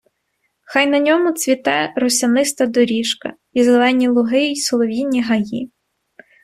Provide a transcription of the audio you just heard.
Хай на ньому цвіте росяниста доріжка, і зелені луги, й солов'їні гаї